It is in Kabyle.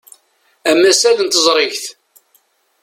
Amasal n teẓrigt.